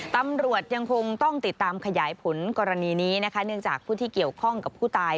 ตำรวจยังคงต้องติดตามขยายผลกรณีนี้นะคะเนื่องจากผู้ที่เกี่ยวข้องกับผู้ตาย